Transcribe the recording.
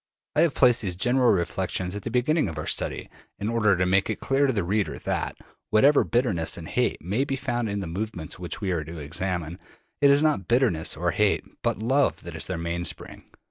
I have placed these general reflections at the beginning of our study, in order to make it clear to the reader that, whatever bitterness and hate may be found in the movements which we are to examine, it is not bitterness or hate, but love, that is their mainspring.